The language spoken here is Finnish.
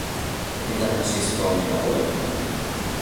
Mitä on siis kauniina oleminen?